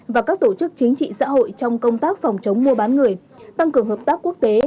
và các tổ chức chính trị xã hội trong công tác phòng chống mua bán người tăng cường hợp tác quốc tế